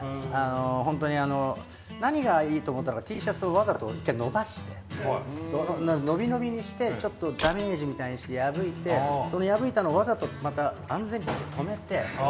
本当に何がいいと思ったのかＴシャツをわざと１回伸ばして伸び伸びにしてちょっとダメージみたいにして破いてその破いたのをわざとまた安全ピンで留めて。